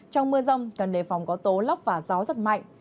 trong mưa rông cần đề phòng có tố lóc và gió rất mạnh